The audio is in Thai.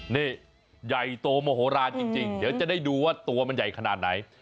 นี่ใหญ่โตโมโหลานจริงเดี๋ยวจะได้ดูว่าตัวมันใหญ่ขนาดไหน